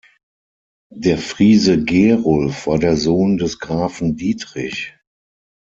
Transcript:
Der Friese Gerulf war der Sohn des Grafen Dietrich.